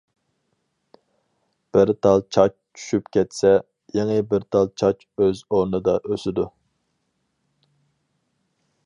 بىر تال چاچ چۈشۈپ كەتسە، يېڭى بىر تال چاچ ئۆز ئورنىدا ئۆسىدۇ.